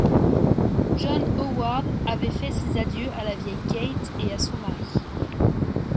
John Howard avait fait ses adieux à la vieille Kate et à son mari.